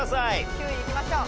９位いきましょう。